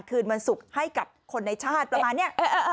คืนวันศุกร์ให้กับคนในชาติประมาณนี้